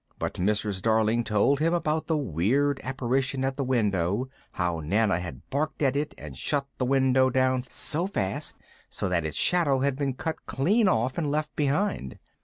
But Mrs. Darling told him about the weird apparition at the window, how Nana had barked at it and shut the window down so fast that its shadow had been cut clean off and left behind.